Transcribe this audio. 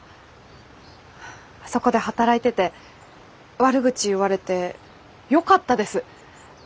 あそこで働いてて悪口言われてよかったです。